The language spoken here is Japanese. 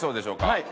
はい。